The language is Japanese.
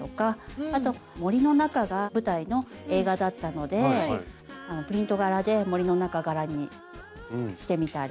あと森の中が舞台の映画だったのでプリント柄で森の中柄にしてみたり。